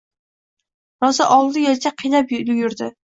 Rosa olti yilcha qiynalib yurdi